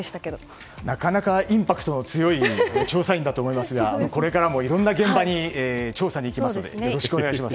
なかなかインパクトの強い調査員だと思いますがこれからもいろんな現場に調査に行きますのでよろしくお願いします。